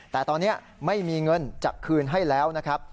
แต่ตอนนี้ไม่มีเงินจะคืนให้แล้วนะครับ